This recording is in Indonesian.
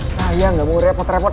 saya nggak mau repot repot